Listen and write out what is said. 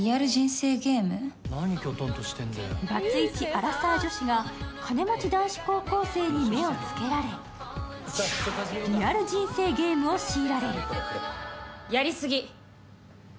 バツイチアラサー女子が金持ち男子高校生に目をつけられリアル人生ゲームを強いられる。